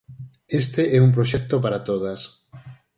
Este é un proxecto para todas.